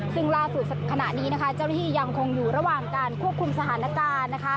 ซึ่งล่าสุดขณะนี้เจ้าหน้าที่ยังคงอยู่ระหว่างการควบคุมสถานการณ์